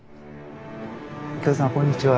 お客さんこんにちは。